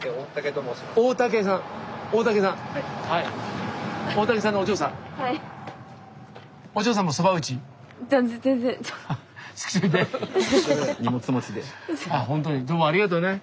どうもありがとうね。